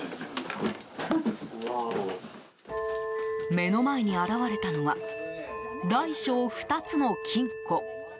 目の前に現れたのは大小２つの金庫。